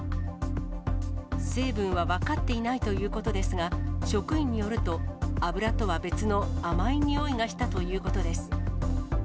成分は分かっていないということですが、職員によると、油とは別の甘いにおいがしたということです。